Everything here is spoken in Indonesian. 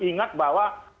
ingat bahwa terjadi